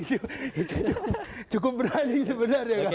cukup berani sebenarnya